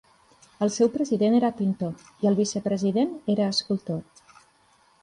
El seu president era pintor, i el vicepresident era escultor.